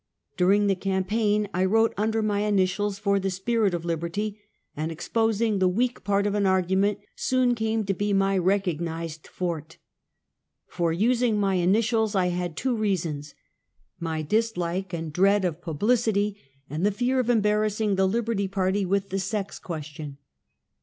During the campaign I wrote nnder my initials for The Sjpirit of Liberty, and exposing the weak part of an argument soon came to be my recognized forte. For using my initials I had two reasons — my dislike and dread of publicity and the fear of embarrassing the Liberty Party with the sex question.